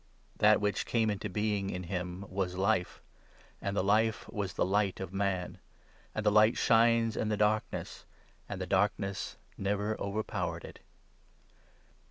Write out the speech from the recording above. That which came into being in him was Life ; 4 And the Life was the Light of Man ; And the Light shines in the darkness, 5 And the darkness never overpowered it.